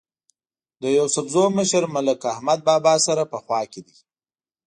د یوسفزو مشر ملک احمد بابا سره په خوا کې دی.